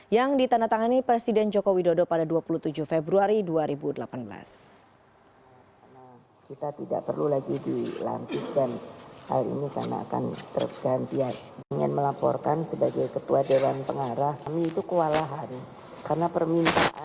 yang ditandatangani presiden joko widodo pada dua puluh tujuh februari dua ribu delapan belas